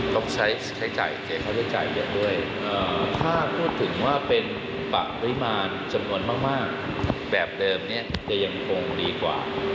ต้องใช้จ่ายเสียค่าใช้จ่ายเยอะด้วยถ้าพูดถึงว่าเป็นปะปริมาณจำนวนมากแบบเดิมเนี่ยจะยังคงดีกว่า